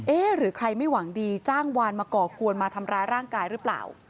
หรือใครไม่หวังดีจ้างวานมาก่อกวนมาทำร้ายร่างกายหรือเปล่า